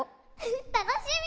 たのしみ！